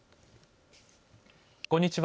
こんにちは。